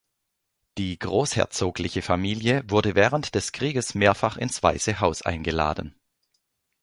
Die Großherzogliche Familie wurde während des Krieges mehrfach ins Weiße Haus eingeladen.